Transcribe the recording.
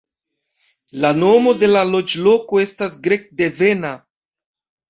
La nomo de la loĝloko estas grek-devena.